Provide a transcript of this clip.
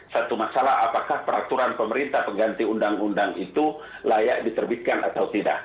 satu masalah apakah peraturan pemerintah pengganti undang undang itu layak diterbitkan atau tidak